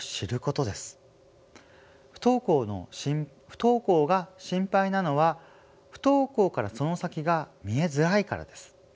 不登校が心配なのは不登校からその先が見えづらいからです。